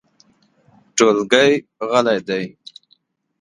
ټولګی غلی دی .